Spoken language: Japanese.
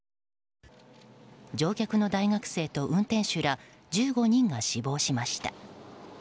乗客の大学生と運転手ら１５人が死亡しました。